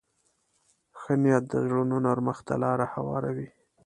ښه نیت د زړونو نرمښت ته لار هواروي.